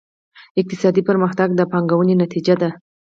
اقتصادي پرمختګ د پانګونې نتیجه ده.